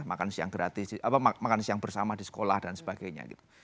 makan siang gratis makan siang bersama di sekolah dan sebagainya gitu